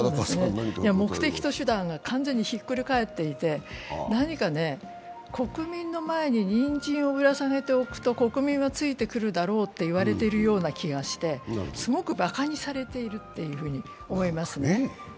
目的と手段が完全にひっくり返っていて国民の前に、にんじんをぶら下げておくと国民はついてくるだろうと言われてるような気がしてすごくばかにされていると思いますね。